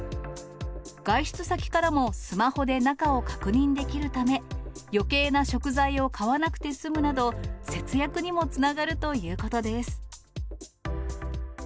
外出先からもスマホで中を確認できるため、よけいな食材を買わなくて済むなど、節約にもつながるということです。